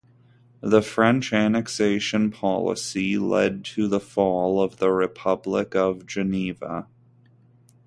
The French annexation policy led to the fall of the Republic of Geneva.